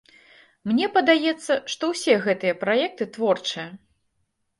Мне падаецца, што ўсе гэтыя праекты творчыя.